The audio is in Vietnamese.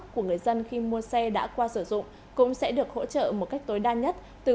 của người dân khi mua xe đã qua sử dụng cũng sẽ được hỗ trợ một cách tối đa nhất từ